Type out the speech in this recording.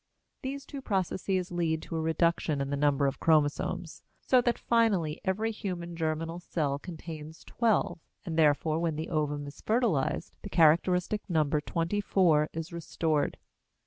These two processes lead to a reduction in the number of chromosomes, so that finally every human germinal cell contains twelve, and therefore when the ovum is fertilized the characteristic number twenty four is restored.